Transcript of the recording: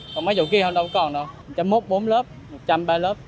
còn mấy chỗ kia không đâu còn đâu chấm mốt bốn lớp chấm ba lớp